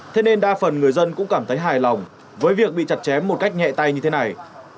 thế nên đa phần người dân cũng cảm thấy hài lòng với việc bị chặt chém một cách nhẹ tay như thế này